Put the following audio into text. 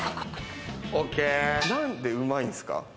何で、うまいんですか？